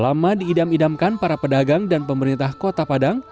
lama diidam idamkan para pedagang dan pemerintah kota padang